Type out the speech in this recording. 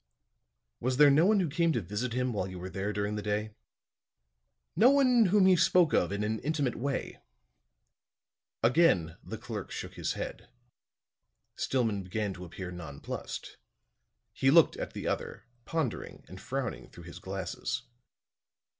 "Was there no one who came to visit him while you were there during the day. No one whom he spoke of in an intimate way?" Again the clerk shook his head. Stillman began to appear nonplussed. He looked at the other, pondering and frowning through his glasses.